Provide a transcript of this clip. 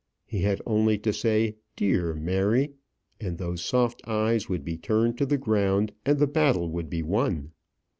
He had only to say "dear Mary," and those soft eyes would be turned to the ground and the battle would be won.